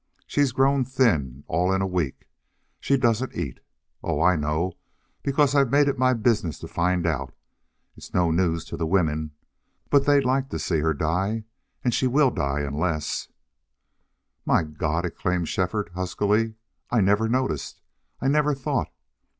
She's grown thin, all in a week. She doesn't eat. Oh, I know, because I've made it my business to find out. It's no news to the women. But they'd like to see her die. And she will die unless " "My God!" exclaimed Shefford, huskily. "I never noticed I never thought....